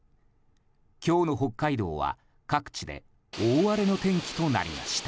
今日の北海道は、各地で大荒れの天気となりました。